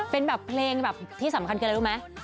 เป็นแบบเพลงที่สำคัญกันเลยรู้ไหม